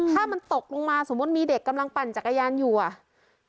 ถ้ามันตกลงมาสมมุติมีเด็กกำลังปั่นจักรยานอยู่อ่ะ